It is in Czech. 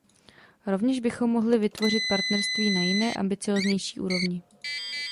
Rovněž bychom mohli vytvořit partnerství na jiné, ambicióznější úrovni.